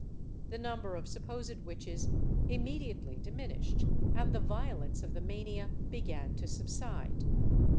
The number of supposed witches immediately diminished, and the violence of the mania began to subside.